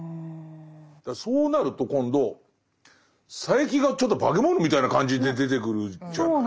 そうなると今度佐柄木がちょっと化け物みたいな感じで出てくるじゃないですか。